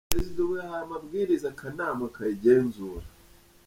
Perezida ubu yahaye amabwiriza akanama kayigenzura".